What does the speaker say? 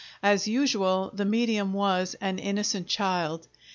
As usual, the medium was an "innocent child."